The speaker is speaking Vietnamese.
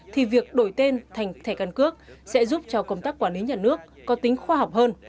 thì việc đổi tên thành thẻ căn cước sẽ giúp cho công tác quản lý nhà nước có tính khoa học hơn